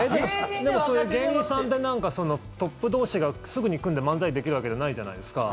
でも、芸人さんってトップ同士がすぐに組んで漫才できるわけじゃないじゃないですか。